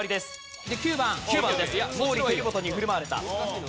毛利輝元に振る舞われた。